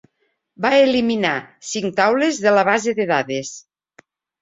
Va eliminar cinc taules de la base de dades.